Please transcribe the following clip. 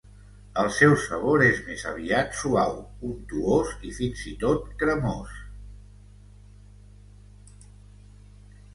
El seu sabor és més aviat suau, untuós i fins i tot cremós.